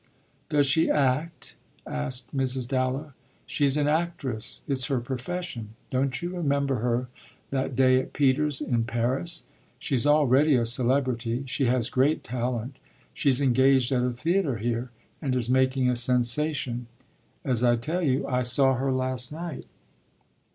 "Does she act?" asked Mrs. Dallow. "She's an actress: it's her profession. Don't you remember her that day at Peter's in Paris? She's already a celebrity; she has great talent; she's engaged at a theatre here and is making a sensation. As I tell you, I saw her last night."